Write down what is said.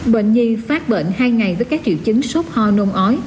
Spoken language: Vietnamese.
bệnh nhi phát bệnh hai ngày với các triệu chứng sốt ho nôn ói